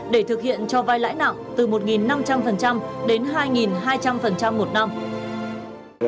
để thực hiện cho vai lãi nặng từ một năm trăm linh đến hai hai trăm linh một năm